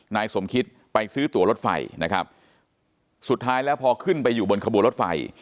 นายสมคิตไปซื้อตัวรถไฟนะครับสุดท้ายแล้วพอขึ้นไปอยู่บนขบวนรถไฟ